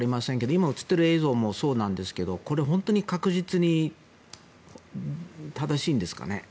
今映ってる映像もそうなんですけどこれ本当に確実に正しいんですかね？